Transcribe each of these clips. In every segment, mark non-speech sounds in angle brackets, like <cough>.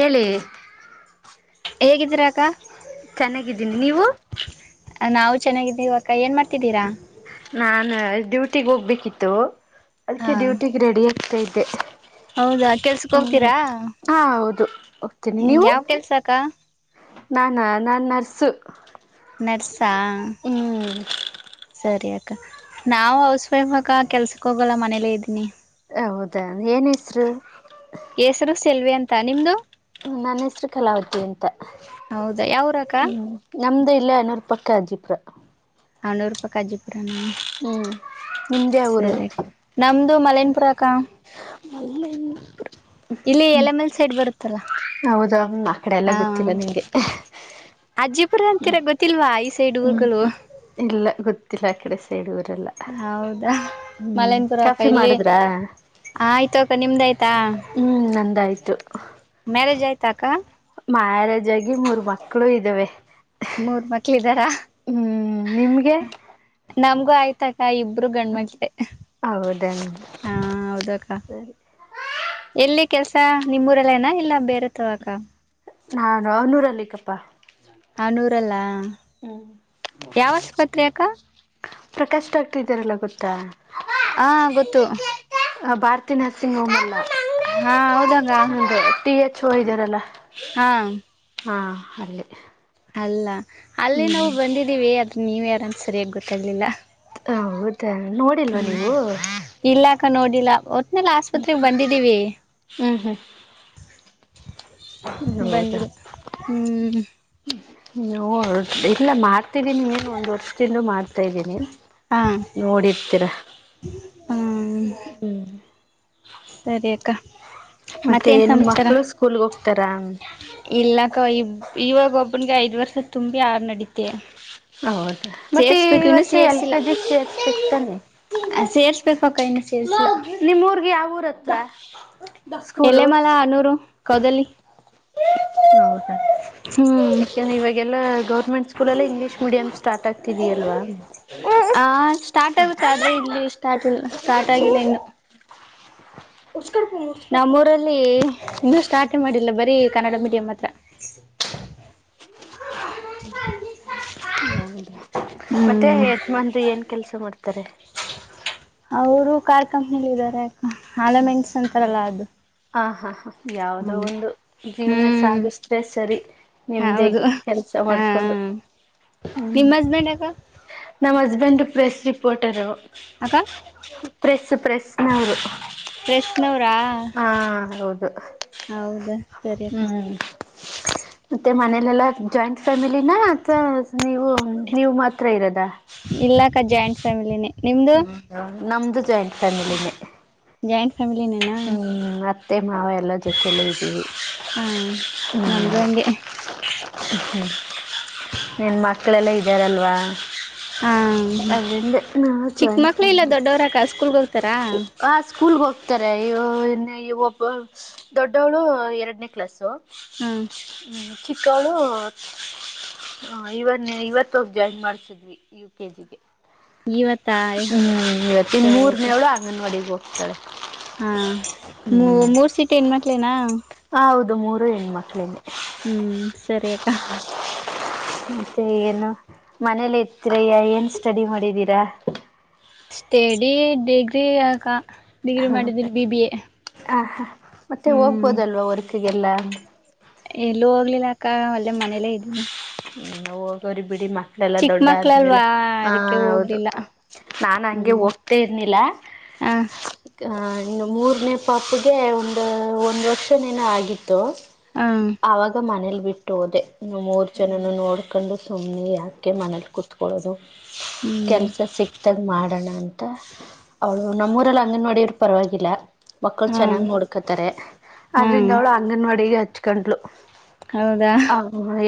ಹೇಳಿ ಹೇಗಿದ್ದೀರಾ ಅಕ್ಕ ಚೆನ್ನಾಗಿದ್ದೀನಿ ನೀವು ನಾವು ಚೆನ್ನಾಗಿದ್ದೀವ ಅಕ್ಕ ಏನ್ ಮಾಡ್ ನಾ ಡ್ಯೂಟಿಗ್ ಹೋಗ್ಬೇಕಿತ್ತು ಹಾ ಅದಕ್ಕೆ ಡ್ಯೂಟಿಗ್ ರೆಡಿ ಆ ಇತ ಇದ್ದೆ ಹೌದಾ ಕೆಲ್ಸಕ್ ಹ್ಮ ಹ ಹೌದು ಹೋಗ್ತೀನಿ ಹ್ಮ ಯಾವ ಕೆಲ್ಸ ಅಕ್ಕ ನಾನ ನನ್ನು ನರ್ಸು ಸಾಂಗ ಹ್ಮ್ ಸರಿಯ ನಾವ್ ಹೌಸ್ ವೈಫ್ ಅಕ್ಕ ಕೆಲ್ಸಕ್ ಹೋಗಲ್ಲ ಮನೇಲಿ ಇದ್ದೀನಿ ಹೌದಾ ಏನ್ ಹೆಸರು ತಾ ನಿಮ್ಮದು ಹ್ಮ ನನ್ ಹೆಸರು ಕಲಾವತಿ ಅಂತ ಹೌದಾ ಯಾವೂರಕ್ಕ ನಮ್ದು ಇಲ್ಲೇ ಏನೂರ ಪಕ್ಕ ಅಜ್ಜಿಪುರ ಹನೂರೂ ಪಕ್ಕ ಅಜ್ಜೀಪುರ ಹ್ಮ್ ನಿಮ್ಮದು ಯಾವ ಊರು ಇದು ಮಲನಪುರ ಅಕ್ಕ ಅ ಇಲ್ಲಿ ಎಲೆಮೇಲ್ ಸೈಡ್ ಬರುತ್ತೆ ಹೌದಾ ಮ ಆ ಕಡೆ ಎಲ್ಲ ಗೊತ್ತಿಲ್ಲ ನಂಗೆ ರ ಅಂತೀರ ಗೊತ್ತಿಲ್ವ ಈ ಸೈಡ್ ಊರುಗಳು ಹ್ಮ್ ಇಲ್ಲ ಗೊತ್ತಿಲ್ಲ ಆ ಕಡೆ ಸೈಡುವರು ಹೌದಾ ಹ್ಮ್ ಕಾಫಿ ಮಾಡಿದ್ರ ಹ ಆಯ್ತು ಅಕ್ಕ ನಿಮ್ದ ಆಯ್ತಾ ನಂದಾಯ್ತು ಮ್ಯಾರೇಜ್ ಆಯ್ತಾ ಅಕ್ಕ ಮ್ಯಾರೇಜ್ ಆಗಿ ಮೂರ್ ಮಕ್ಕಳು ಇದ್ದೆ ಮೂರ್ ಮಕ್ಳ ಇದ್ದಾರಾ ಹ್ಮ್ ನಿಮ್ಗೆ ನಮ್ಗೂ ಆಯ್ತಕ್ಕ ಇಬರು ಗಂಡ್ಮಮಕ್ಕ್ಳಲೆ ಹೌದನ್ ಹಾ ಹೌದಕ್ಕ ಸರಿ ಎಲ್ಲಿ ಕೆಲ್ಸ ನಿಮೂರೆಲ್ಲಏನಾ ಇಲ್ಲ ಬೇರೆ ತವಕ ನಾನೂ ಹನೂರ್ ಅಲ್ಲಿಕಪ್ಪಾ ಹ ನೂರಲ್ಲ ಯಾವ ಆಸ್ಪತ್ರೆ ಅಕ್ಕ ಪ್ರಕಾಶ್ ಡಾಕ್ಟರ್ ಇದ್ದಾರಲ್ಲ ಗೊತ್ತಾ ಹಾ ಗೊತ್ತು ಭಾರತಿ ನರ್ಸಿಂಗ್ ಹೋಮ್ ಹಾ ಹೌದಾಗ ಚಛೋ ಇದ್ದಾರಲ್ಲ ಹಾ ಹಾಂ ಅಲ್ಲಿ ಅಲ್ಲ ಅಲ್ಲೇ ಹ್ಮ್ ನಾವು ಬಂದಿದ್ದೀವಿ ಅದ ನೀವ್ ಯಾರಂತ ಸರಿಯಾಗಿ ಗೊತ್ತಾಗ್ಲಿಲ್ಲ ಹೌದಾ ನೋಡಿಲ್ವಾ ಹ್ಮ್ ನೀವು ಇಲ್ಲಾಕ ನೋಡಿಲ್ಲ ಒತ್ತುನಾಗಆಸ್ಪತ್ರೆಗೆ ಬಂದಿದ್ದೀವಿ <inaudible> ಹ್ಮ್ ಹ್ಮ್ ಹೌದಾ ಬಂದಿಲ್ಲ ಹ್ಮ್ ಇಲ್ಲ ಮಾಡ್ತಿದ್ದೀನಿ ನೀನ್ ಒಂದ ವರ್ಷದಿಂದ ಮಾಡ್ತಾ ಇದ್ದೀನಿ ಹಾ ನೋಡಿರ್ತೀರ ಹ್ಮ್ ಹ್ಮ್ ಸರಿ ಅಕ್ಕ ಮತ್ತೆ ಮತ್ತೇನ್ ನು ಸಮಾಚಾರ ಮಕ್ಕಳು ಸ್ಕೂಲ್ ಹೋಗ್ತಾರ ಇಲ್ಲಕ್ಕ ಇವಾಗ ಒಬ್ಬನ್ಗೆ ಐದ್ ವರ್ಷ ತುಂಬಿ ಆಡ್ ನಡಿತ ಹೌದು ಮತ್ತೆ ಈ ವರ್ಷ ಎಲ್ ಸೇರ್ಸಿಲ್ಲ ಕೆಜಿ ಸೇಸ್ಬೇಕಕ್ತಾನೆ ಸೇರ್ಸ್ಬೇಕು ಅಕ್ಕ ಇನ್ನು ಸೇರ್ಸಿಲ್ಲ ನಿಮ್ಮ ಉರ್ ಗೆ ಯಾವಊರ್ ಹತ್ರ ಸ್ಕೂಲು ಎಲೆಮಲ ಹನೂರು ಕೌದಲಿ ಕೌದಲಿ ಹೌದಾ ಯಾಕೆಂದ್ರ ಇವಾಗೆಲ್ಲ ಗೌರ್ಮೆಂಟ್ ಸ್ಕೂಲ್ಲ್ ಇಂಗ್ಲೀಷ್ ಮೀಡಿಯಂ ಸ್ಟ ಯಲ್ವಾ ಆ ಸ್ಟಾರ್ಟ್ ಆಗುತ್ತೆ ಆದ್ರೆ ಇಲ್ಲಿ ಸ್ಟಾರ್ಟ್ ಸ್ಟಾರ್ಟ್ ಆಗಿಲ್ಲ ಇನ್ನು ನಮ್ಮ್ ಊರಲ್ಲಿ ಇನ್ನೂ ಸ್ಟಾರ್ಟ್ ಮಾಡಿಲ್ಲ ಬರೀ ಕನ್ನಡ ಮೀಡಿಯಂ ಹತ್ರ ಹೌದ ಮತ್ತೆ ಹ್ಮ್ ಯಜಮಾನ್ರಿ ಏನ್ ಕೆಲ್ಸ ಮಾಡ್ತಾರೆ ಅವರು ಕಾರ್ ಕಂಪ್ನಿಲಿ ಇದಾರೆ ಆಲಮೆಂಟ್ಸ್ ಅಂತಾರಲ್ಲ ಅದು ಹಾ ಹಾ ಹ ಯಾವದೋ ಹ್ಮ್ ಒಂದು ಜೀವನ ಹ್ಮ್ ಸಾಗಿಸ್ರೆ ಸರಿ ಹೌದು ನಿಮ್ದಾಗಿ ಕೆಲ್ಸ ಮಾಡ್ಕೊಂಡು ನಿಮ್ ಹಸ್ಬೆಂಡ್ ಅಗ ನಮ್ಮ್ ಹಸ್ಬೆಂಡ್ ಪ್ರೆಸ್ ರಿಪೋರ್ಟರು ಹ ಪ್ರೆಸ್ ಪ್ರೆಸ್ನವರು ಡ್ರೆಸ್ನವ್ರಾ ಹಾ ಹೌದು ಹೌದಾ ಸರಿ ಅಕ್ಕ ಹ್ಮ್ <inaudible> ಮತ್ತೆ ಮನೇಲೆಲ್ಲ ಜಾಯಿಂಟ್ ಫ್ಯಾಮಿಲಿನ ಅಥವಾ ನೀವು ನೀವು ಮಾತ್ರ ಇರದ ಎಲ್ಲಾ ಜಾಯಿಂಟ್ ಫ್ಯಾಮಲಿನಿ ಹ್ಮ ನಮ್ದು ಜಾಯಿಂಟ್ ಫ್ಯಾಮಿಲಿನೇ ಜಾಯಿಂಟ್ ಫ್ಯಾಮಿಳೇನೇನ ನಿನನಾ ನಾವ ಎಲ್ಲ ಜೊತೆಯಲ್ಲೂ ಇದ್ದೀವಿ ಹಾ ನಮ್ದು ಹಂಗೆ ಹ್ಮ ನಿನ್ ಮಕ್ಕಳೆಲ್ಲ ಇದ್ದಾರಲ್ವಾ ಹಾ ಅದ್ರಿಂದ ನಾವು ಚಿಕ್ಕ ಜಾಯಿಂಟ್ ಮಕ್ಳು ಇಲ್ಲ ಫ್ಯಾಮಿಲಿ ದೊಡ್ಡವರಾಕ್ಕ ಸ್ಕೂಲ್ಗೆ ಹೋಗ್ತಾರ ಆ ಸ್ಕೂಲ್ಗೆ ಹೋಗ್ತಾರೆ ಒಬ್ಬ ದೊಡ್ಡವಳು ಎರಡನೇ ಕ್ಲಾಸು ಹಾ ಹ್ಮ ಚಿಕ್ಕಳು ಹ ಇವನ್ನೇ ಇವತ್ತೋಗ ಜಾಯಿನ್ ಮಾಡ್ಸಿದ್ವಿ ಯು ಕೆ ಜಿಗೆ ಇವತ್ತಾ ಹ್ಮ್ ಇವತ್ತ ಇನ್ ಸರಿ ಅಕ್ಕ ಮೂರ್ನೇಳಳು ಅಂಗನವಾಡಿಗೆ ಹೋಗ್ತಾಳೆ ಹಾ ಮೂ ಮೂರ್ ಸೀಟ್ ನ್್ಮಟ್ಲೇನಾ ಹ ಹೌದು ಮೂರು ಹೆಣ್ಣು ಮಕ್ಳಿಂದ ಹ್ಮ್ ಸರಿಕ್ಕಾ ಮತ್ತೆ ಏನು ಮನೇಲಿ ಇತೀರಯ್ಯ ಏನ್ ಸ್ಟಡಿ ಮಾಡಿದೀರಾ ಸ್ಟಡಿ ಡಿಗ್ರಿ ಯಕ ಡಿಗ್ರಿ ಮಾಡಿದೀನಿ ಬಿ ಬಿ ಎ ಹ ಹಾ ಮತ್ತೆ ಹ್ಮ್ ಹೋಗ್ಬೋದಲ್ವಾ ವರ್ಕ್ಗೆಲ್ಲ ಎಲ್ಲೂ ಹೋಗ್ಲಿಲ್ಲ ಅಕ್ಕ ಒಳ್ಳೆ ಮನೇಲೆೇ ಇದ್ದೀನಿ ಹ್ಮ ಹರಿ ಬಿಡಿ ಮ ಮಕ್ಳೆಲ್ಲ ಚಿಕ್ಕ ದೊಡ್ಡ ಆದ್ಮೇಲೆ ಮಕ್ಳಲ್ವಾ ಆ ಅದಕ್ಕೆ ಹೌದು ಹೋಗ್ಲಿಲ್ಲ ನಾನ್ ಹಂಗೆ ಹೋಗ್ತೇ ಇರ್ನಿಲ್ಲ ಹಾ ಮೂರನೇ ಪಾಪಗೆ ಒಂದು ಒಂದು ವರ್ಷನೇನೋ ಆಗಿತ್ತು ಹ ಅವಗ ಮನೇಲಿ ಬಿಟ್ಟು ಹೋದೆ ಮೂರ್ ಜನ ನೋಡ್ಕೊಂಡು ಸುಮ್ನೆ ಯಾಕೆ ಮನಲಿ ಕುತ್ಕೊಳ್ಳೋದು ಹ್ಮ್ ಕೆಲ್ಸ ಸಿಕ್ತಾಗ ಮಾಡೋಣ ಅಂತ ಅವಳು ನಮ್ಮೂರಲ್ಲಿ ಅಂಗನವಾಡಿಯವರು ಪರವಾಗಿಲ್ಲ ಮಕ್ಕಳು ಹಾ ಚೆನ್ನಾಗ್ ನೋಡ್ಕೊತಾರೆ ಹಾ ಆದದ್ರಿಂದ ಅವಳು ಅಂಗನವಾಡಿಗೆ ಹಚ್ಕೊಂಡ್ಲು ಹೌದಾ ಹ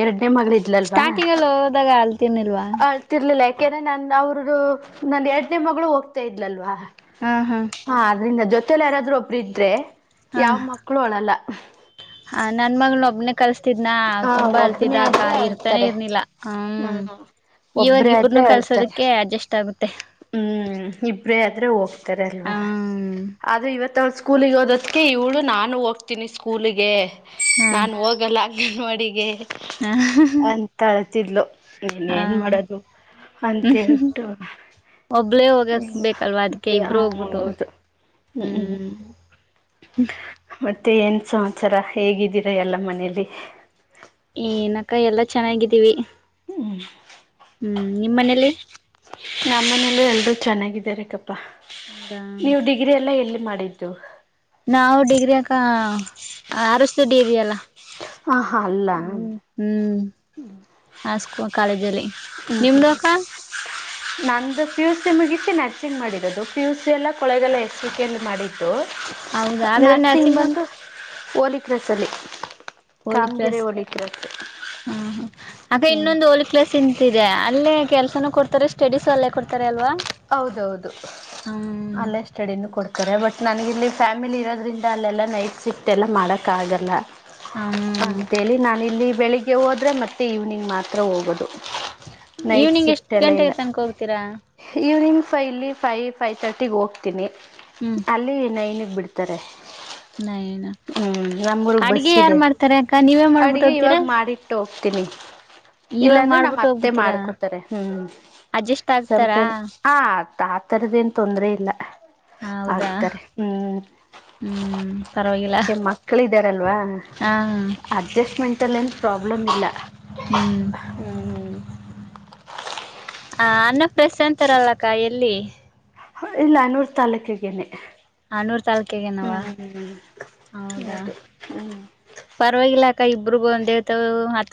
ಎರಡನೇ ಮಗಳ ಇದ್ಲಲ್ವಾ ಸ್ಟಾರ್ಟಿಂಗಲ್ಲಿ ಹೋದಾಗ ಅಲ್ತಿರ್ನಿಲ್ವಾ ಆಳ್ತಿರ ಇಿಲ್ಲ ಯಾಕೆಂದ್ರೆ ನನ್ ಅವ್ರ್ದ ನನ್ ಎರಡನೇ ಮಗಳು ಹೋಗ್ತಾ ಇದ್ಲಲ್ವಾ ಹಾ ಅದ್ರಿಂದ ಜೊತೆಲ್ಲ ಯಾರಾದ್ರೂ ಒಬ್ರು ಇದ್ರೆ ಹಾ ಯಾವ ಮಕ್ಳು ಅಳಲ್ಲ ಹ ನನ್ ಮಗ್ೊ ಒಬ್ನನೆ ಕಲ್ಸ್ತಿದ್ನ ಹ ತುಂಬಾ ಅಲ್ತಿದ್ದ ಒಬ್ಬನೇ ಅಕ್ಕ ಆದ್ರೆ ಇರ್ತಾನೆ ಅಳ್ತಾರೆ ಇರ್ನಿಲ್ಲ ಹ್ಮ ಹ್ಮ್ ಇವಾಗ ಒಬ್ರೇ ಇಬ್ರನು ಆದ್ರೆ ಅಳ್ತಾರೆ ಕಲ್ಸೋದಕ್ಕೆ ಅಡ್ಜಸ್ಟ್ ಆಗುತ್ತೆ ಹ್ಮ್ ಇಬ್ರೇ ಆದ್ರೆ ಹೋಗ್ತಾರಲ್ವಾ ಹ್ಮ್ ಆದ್ರೆ ಇವತ್ ಅವ ಸ್ಕೂಲಿಗೆ ಹೋದ ಅದಕ್ಕೆ ಇವಳು ನಾನು ಹೋಗ್ತೀನಿ ಸ್ಕೂಲಿಗೆ ನಾನು ಹೋಗಲ್ಲ ಅಂಗನವಾಡಿಗೆ ಹ ಿದ್ಲು ನೀನ್ ಏನ್ ಮಾಡೋದು ಅಂತೇಳ್ಬಿಟ್ಟು ಒಬ್ಳೇ ಹೋಗಕ್ ಬೇಕಲ್ವಾ ಹ್ಮ ಅದಕ್ಕೆ ಮೆ ಹ ಇಬ್ರು ಹೋಗ್ಬಿಟ್ಟು ಹೌದು ಹ್ಮ್ ಹ್ಮ್ ಹ್ಮ ಮತ್ತೆ ಏನ್ ಸಂಸಾರ ಹೇಗಿದ್ದೀರಾ ಎಲ್ಲ ಮನೇಲಿ ಏನಕ್ಕ ಎಲ್ಲಾ ಚೆನ್ನಾಗಿದ್ದೀವಿ ಹ್ಮ್ ಹ್ಮ್ ನಿಮ್ಮ್ ಮನೇಲಿ ನಮ್ಮ ಮನೇಲ್ಲ ಎಲ್ರೂ ಚೆನ್ನಾಗಾರೆಪ್ಪಾ ಹೌದಾ ನೀವು ಡಿಗ್ರಿ ಎಲ್ಲ ಎಲ್ಲಿ ಮಾಡ ಮಾಡಿದು ನಾವು ಡಿಗ್ರಿ ಅಕ್ಕ ಆರ್ ಎಸ್ ದೊಡ್ಡಿ ಇದಿ ಎಲ್ಲ ಹ ಹಾ ಅಲ್ಲ ಆ ಕಾಲೇಜಲ್ಲಿ ನಿಮ್ದ ಅಕ್ಕ ನಂದು ಪಿಯುಸಿ ಮುಗ್ಸಿ ನರ್ಸಿಂಗ್ ಮಾಡಿರೋದು ಪಿಯುಸಿ ಎಲ್ಲ ಕೊಳ್ಳೇಗಾಲ ಎಸ್‌ವಿ‌ಕೆ ಮಾಡಿದ್ದು ಹೌದ ಹಾಗಾದ್ರೆ ನರ್ಸಿಂಗ್ ಬಂದು ಹೋಲಿ ಕ್ರಸ್ ಹೋಲಿ ಕಾಮಗೆರೆ ಕ್ಲಾಸ್ ಹೋಲಿ ಕ್ರಸ್ ಅದೇ ಇನ್ನೊಂದ್ ಹೋಳ ಕ್ರಸ್ ನಿಂತಿದೆ ಅಲ್ಲೇ ಕೆಲ್ಸನೂ ಕೊಡ್ತಾರೆ ಸ್ಟಡೀಸು ಅಲ್ಲೇ ಕೊಡ್ತಾರೆ ಅಲ್ವಾ ಹೌದೌದು ಹ್ಮ್ ಅಲ್ಲೇ ಸ್ಟಡಿನ ಕೊಡ್ತಾರೆ ಬಟ್ ನನಗಿಲ್ಲಿ ಫ್ಯಾಮಿಲಿ ಇರೋದರಿಿಂದ ಅಲ್ಲೆಲ್ಲ ನೈಟ್ ಸಿಫ್ಟ ಎಲ್ಲ ಮಾಡೋಕ್ಕಾಗಲ್ಲ ಹ್ಮ್ ಅಂತೇಳಿ ನಾನಿಲ್ಲಿ ಬೆಳಿಗ್ಗೆ ಹೋದರೆ ಮತ್ತೆ ಈವ್ನಿಂಗ್ ಮಾತ್ರ ಹೋಗೋದು ನೈಟ್ ಈವ್ನಿಂಗ್ ಎಷ್ಟ್ ಶಿಫ್ಟ್ ಎಲ್ಲ ಗಂಟೆಗೆ ಇಲ್ಲ ತನಕ ಹೋಗ್ತೀರಾ ಈವ್ನಿಂಗ್ ಫೈ ಇಲ್ಲಿ ಫೈ ಫೈ ತರ್ಟಿಗೆ ಹೋಗ್ತೀನಿ ಹ್ಮ್ ಅಲ್ಲಿ ನೈನಿಗೆ ಬಿಡ್ತಾರೆ <inaudible> ನಯನ ಹ್ಮ್ ನಮ್ಮೂರ್ಗ್ ಬಸ್ ಅಡ್ಗೆ ಯಾರ್ ಇದೆ ಮಾಡ್ತಾರ ಅಕ್ಕ ನೀವೇ ಮಾಡ್ಬಿಟ್ಟ ಅಡಿಗೆ ಇವಾಗ ಹೋಗ್ತೀರಾ ಮಾಡಿಟ್ಟು ಇವಾಗ ಇಲ್ಲಾಂದ್ರೆ ನಮ್ಮ್ ಮಾಡ್ಬಿಟ್ಟು ಅತ್ತೆ ಹೋಗ್ಬಿಡ್ತೀರಾ ಮಾಡ್ಕೋತಾರೆ ಹ್ಮ್ ಅಡ್ಜಸ್ಟ್ ಆಗ್ತಾರಾ ಆ ಆತರದ ಏನ್ ತೊಂದ್ರ ಇಲ್ಲ ಹೌದಾ ಆಗ್ತಾರೆ ಹ್ಮ್ ಹ್ಮ್ ಪರವಾಗಿಲ್ಲ ಮಕ್ಕಳ ಇದಾರಲ್ವಾ ಹಾ ಅಡ್ಜಸ್ಟ್ಮೆಂಟ್ ಅಲ್ಲಿ ಏನ್ ಪ್ರಬ್ ಉಳ್ಳ ಹ್ಮ್ ಹ್ಮ್ ಹ ಅನ್ನ ಪ್ರೆಶ್ ಅಂತಾರಲ್ಲಕ್ಕ ಎಲ್ಲಿ ಇಲ್ಲ ನೂರು ತಾಲೂಕಗೇನೆ ಹನೂರ್ ತಾಲೂಕೆಗೆನಾವ ಹೌದಾ ಹೌದು ಪರವಾಗಿಲ್ಲ ಇಬ್ರಗ ಒಂದೇತ ಮತ್ತ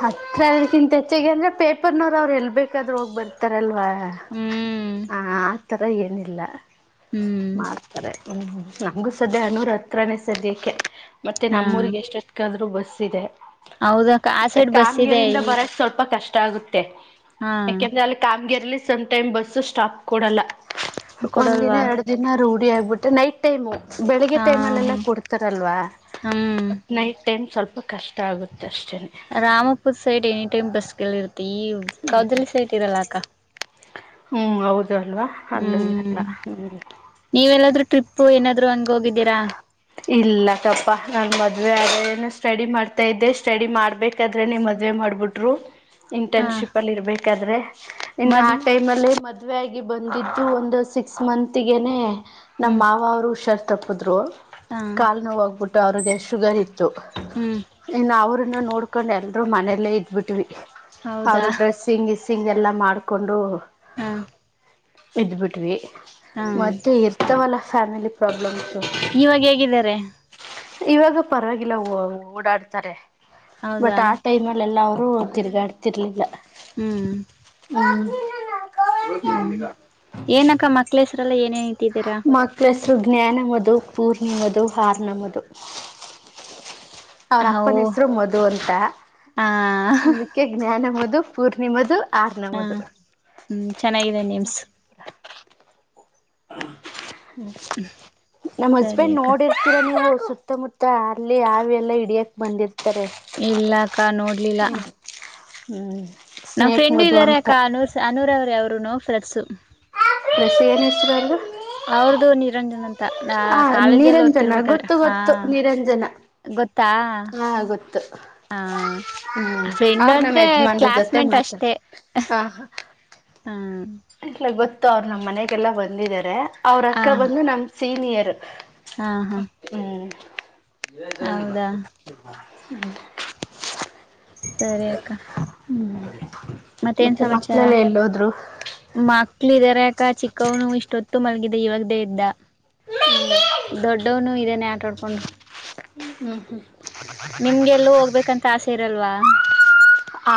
ಹತ್ರ ಅದಕ್ಕಿಂತ ಹೆಚ್ಚಾಗಿ ಅಂದ್ರೆ ಪೇಪರ್ ನೋ ಅವ್ರು ಎಲ್ ಬೇಕಾದ್ರೂ ಹೋಗ ಬರ್ತಾರಲ್ವಾ ಹ್ಮ್ ಆ ಆತರ ಏನಿಲ್ಲ ಹ್ಮ್ ಮಾಡ್ತಾರೆ ಹ್ಮ್ ನಂಗಗು ಸದ್ಯ ಹನೂರ ಹತ್ರನೇ ಸದ್ಯಕ್ಕೆ ಮತ್ತೆ ಹಾ ನಮ್ಮೂಊರಿಗೆ ಎಷ್ಟ ಎತ್ಕಾದ್ರು ಬಸ್ ಇದೆ ಹೌದಕ್ಕ ಆ ಮತ್ತೆ ಸೈಡ್ ಬಸ್ ಇದೆ ಕಾಮಗರಿಂದ ಈ ಬರಕ್ ಸ್ವಲ್ಪ ಕಷ್ಟ ಇಷ್ಟ ಆಗುತ್ತೆ ಹಾ ಯಾಕೆಂದ್ರೆ ಅಲ್ಲಿ ಕಾಮಗರಲಿ ಸಮ್ಟೈಮ್ ಬಸ್ ಸ್ಟಾಪ್ ಕೊಡಲ್ಲ ಒಂದ್ ದಿನ ಕೊಡಲ್ವಾ ಎರಡು ದಿನ ರೂಢಿ ಆಗ್ಬಿಟ್ಟೆ ನೈಟ್ ಟೈಮು ಬೆಳಿಗ್ಗೆ ಹಾ ಟೈಮ್ ಹ ಅಲ್ಲೆಲ್ಲ ಕೊಡ್ತಾರಲ್ವಾ ಹ್ಮ್ ನೈಟ್ ಟೈಮ್ ಸ್ವಲ್ಪ ಕಷ್ಟ ಆಗುತ್ತೆ ಅಷ್ಟೇನೆ Rampur side any time bus ಲ್ಲಿ ಇರ್ತ್ತ ಈ ಕೌದಲಿ ಸೈಡ್ ಇರಲ್ಲ ಅಕ್ಕ ಹ್ಮ್ ಹೌದು ಅಲ್ವಾ ಅಲ್ಲೂ ಇರಲ್ಲ ಹ್ಮ್ ಅಂದ್ರೆ ಟ್ರಿಪ್ ಏನಾದ್ರು ಹಂಗ ಹೋಗಿದ್ದೀರಾ ಇಲ್ಲ ತಪ್ಪಾ ನಾನನ್ ಮದ್ವೆ ಆದಏನ ಸ್ಟಡಿ ಮಾಡ್ತಾ ಇದ್ದೆ ಸ್ಟಡಿ ಮಾಡ್ಬೇಕಾದ್ರೆ ನಿಮ್ಮ್ ಮದ್ ಮದೆ ಮಾಡ್ಬಿಟ್ರು ಹಾ ಇಂಟರ್ನ್ಶಿಪ್ ಅಲ್ಲಿ ಇರ್ಬೇಕಾದ್ರೆ ಇನ್ನು ಆ ಮದ್ವೆ ಟೈಮ್ ಅಲ್ಲಿ ಮದುವ ಆಾಗಿ ಬಂದಿದ್ದು ಒಂದು ಸಿಕ್ಸ್ ಮತ್ಗೆನೆ ನಮ್ಮ ಹ್ಮ್ ಮಾವ ಅವರು ಶರ್ತ್ ತಪ್ಪಿದ್ರು ಹಾ ಕಾಲು ನೋವು ಹೋಗ್ಬಿಟ್ಟು ಅವ್ರಿಗೆ ಶುಗರ್ ಇತ್ತು ಇದು ಹ್ಮ್ ಇನ್ನು ಅವ್ರನ್ನ ನೋಡ್ಕೊಂಡು ಎಲ್ರೂ ಮನೆಯಲ್ಲೇ ಇದ್ಬಿಟ್ವಿ ಹೌದಾ ಅವರು ಡ್ರೆಸ್ಸಿಂಗ್ ಇಸಿಂಗ ಎಲ್ಲ ಮಾಡಿಕೊಂಡು ಹಾ ಇದ್ಬಿಟ್ವಿ ಹಾ ಮತ್ತೆ ಇರ್ತವಲ್ಲ ಫ್ಯಾಮಿಲಿ ಪ್ರಾಬ್ಲಮ್ಸ್ ಇವಾಗ ಹೇಗಿದ್ದಾರೆ ಇವಾಗ ಪರವಾಗಿಲ್ಲ ಓಡಾಡ್ತಾರೆ ಹೌದಾ ಬಟ್ ಆ ಟೈಮ್ ಅಲ್ಲಿ ಎಲ್ಲ ಅವರು ಹ ತಿರ್ಗಾ ಆಡ್ತಿರ್ಲಿಲ್ಲ ಹ್ಮ್ ಹ್ಮ್ ಹ್ಮ್ ಏನಕ್ಕ ಮಕ್ಳ ಹೆಸ್ರಲ್ಲ ಏನೇನ್ತಿದ್ದೀರಾ ಸೃಜ್ಞಾನಮದು ಪೂರ್ಣಮದು ಹಾರನಮದು ಅವ್ರ ಹೋ ಅಪ್ಪನ ಹೆಸರು ಮಧು ಅಂತ ಹಾ ಅದಕ್ಕೆ ಜ್ಞಾನ ಮದು ದು ಪೂರ್ಣಿಮಾದು ಹಾ ಹ್ಮ್ ಚೆನ್ನಾಗಿದೆ ನಿಮ್ಸ್ ನಮ್ಮ್ ಸರಿ ಹಸ್ಬೆಂಡ್ ಅಕ್ಕ ನೋಡಿರ್ತೀರಾ ನೀವು ಸುತ್ತಮುತ್ತ ಅರ್ಲಿ ಹಾವ ಎಲ್ಲ ಹಿಡಿಯಕ್ ಬಂದಿತ್ತು ಇಲ್ಲಕ್ಕ ನೋಡ್ಲಿಲ್ಲ ಹ್ಮ್ ನಮ್ ಸ್ನೇಕ್ ಫ್ರೆಂಡು ಮಧು ಇದ್ದಾರೆ ಅಂತ ಅಕ ಅನೂರ್ ಅನೂರ್ ಅವ್ರ ಅವ್ರು ನೋ ಫ್ರಸ ರಸ ಏನುಷ್ಟರದು ಅವ್ರದುು ನಿರಂಜನ್ ಅಂತ ನ ಆ ಕಾಲೇಜಲ್ಲಿ ನಿರಂಜನ ಓದ್ತಿರ್ಬೇಕಾದ್ರೆ ಗೊತ್ತು ಹ ಗೊತ್ತು ನಿರಂಜನ ಗೊತ್ತಾ ಹಾ ಗೊತ್ತು ಹಾ ಹ್ಮ್ ಫ್ರೆಂಡ್ ಅವ್ರ ನಮ್ಮ ಅಂದ್ರೆ ಯಜಮಾನ್ರ ಜೊತೆ ಕ್ಲಾಸ್ಮೇಟ್ ಮಾತ್ರ ಹ ಹಾ ಇದ್ಲು ಗೊತ್ತು ಅವರು ನಮ್ ಮನೆಗೆಲ್ಲ ಬಂದಿದಿದ್ದಾರೆ ಹ ಅವ್ರಕ್ಕ ಬಂದು ನಮ ಸೀನಿಯರ್. ಹಾ ಹಾ ಹ್ಮ್ ಹೌದಾ <unintelligible> ಸರಿ ಅಕ್ಕ ಹ್ಮ್ ಮತ್ತೆ ಮಕ್ಳೆಲ್ಲ ಎಲ್ಲೋದ್ರು. ಮಕ್ಳಿದಾರಾಕ ಚಿಕ್ಕವ್ನು ಇಷ್ಟೊತ್ತು ಮಲಗಿದೆ ಇವಾಗ್ದೇ ಎದ್ದ ದೊಡ್ಡವ್ನು ಇದೇನೆ ಆಟಾಡ್ಕೊಂಡ್. ಹ್ಮ ಹ್ಮ್ ಹ್ಮ್ ನಿಮ್ಗೆ ಎಲ್ಲೂ ಹೋಗ್ಬೇಕಂತ ಆಸೆ ಇರಲ್ವಾ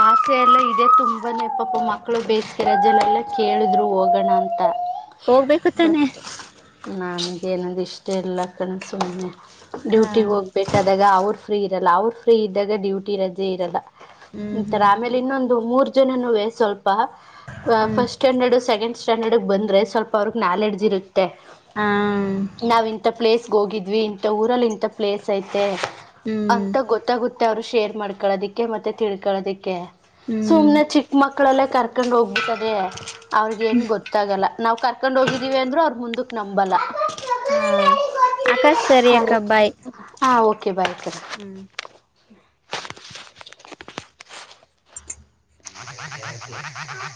ಆಸೆ ಎಲ್ಲ ಇದೆ ತುಂಬಾನೇ ಪಾಪ ಮಕ್ಕಳು ಬೇಯತಿರ್ಲ್ಲ ಎಲ್ಲ ಕೇಳಿದ್ರು ಹೋಗೋಣ ಅಂತ. ಹೋಗ್ಬೇಕು ತಾನೆ ಬಟ್ ನನ್ಗೇಏನಂದ್ ಇಷ್ಟ ಎಲ್ಲ ಕಣ ಸುಮ್ಮನೆ. ಹಾ ಡ್ಯೂಟಿ ಹೋಗ್ಬೇಕಾದಾಗ ಅವರು ಫ್ರೀ ಇರಲ್ಲ ಅವರು ಫ್ರೀ ಇದ್ದಾಗ ಡ್ಯೂಟಿ ರಜೆ ಇರಲ್ಲ. ಹ್ಮ್ ಇಂತರ ಹ್ಮ್ ಆಮೇಲೆ ಇನ್ನೊಂದು ಮೂರ್ ಜನನುವೇ ಸ್ವಲ್ಪ ಹ್ಮ್ ಫಸ್ಟ್ ಸ್ಟ್ಯಾಂಡರ್ಡ್ ಸೆಕೆಂಡ್ ಸ್ಟ್ ಸ್ಟಾಡೆಡ್ ಗೆ ಬಂದ್ರೆ ಸ್ವಲ್ಪ ಅವ್ರ ನಾಲೆಡ್ಜ್ ಇರುತ್ತೆ ಹಾ ನಾವ ಇಂತ ಪ್ಲೇಸ್ ಹೋಗಿದ್ವಿ ಇಂಥ ಊರಲ್ಲಿ ಇಂಂತ ಪ್ಲೇಸ್ ಐತೆ ಹ್ಮ್ ಅಂತ ಗೊತ್ತಾಗುತ್ತ <unintelligible> ಅವ್ರು ಶೇರ್ ಮಾಡ್ಕೊಳ್ಳೋದಿಕ್ಕೆ ಮತ್ತೆ ತಿಳ್ಕೊಳ್ಳೋದಿಕ್ಕೆ ಹ್ಮ್ ಸುಮ್ನೆ ಚಿಕ್ಕ ಮಕ್ಳ ಮಕ್ಕಳಲ್ಲೇ ಕರ್ಕೊಂಡು ಹೋಗ್ಬಿಟ್ಟದೇ ಅವ್ರಿಗೇನು ಗೊತ್ತಾಗಲ್ಲ. ನಾವವು ಕರ್ಕೊಂಡ್ ಹೋಗಿದ್ದೀವಿ ಅಂದ್ರರು ಅವ್ರರು ಮುಂದಕ್ ನಂಬಲ್ಲ. ಹಾ ಅಕ್ಕ ಸರಿ ಹರಿ ಅಕ್ಕ ಬಾಯ್ ಹಾ ಬಂತು ಹ್ಮ್ <inaudible>